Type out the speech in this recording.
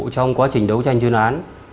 trong quá trình đấu tranh chuyên án